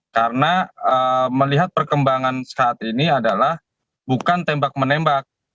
karena melihat perkembangan saat ini adalah bukan tembak menembak